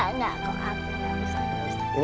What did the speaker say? kalau aku gak bisa